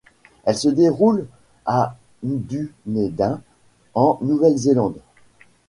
Elle se déroule à Dunedin en Nouvelle-Zélande.